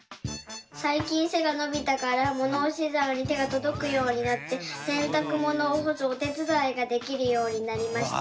さいきんせがのびたから物干しざおにてがとどくようになって洗たく物を干すお手伝いができるようになりました。